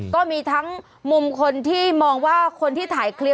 ก็มีทั้งมุมคนที่มองว่าคนที่ถ่ายคลิป